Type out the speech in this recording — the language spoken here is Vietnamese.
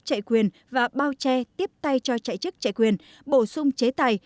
chạy quyền và bao che tiếp tay cho chạy chức chạy quyền bổ sung chế tài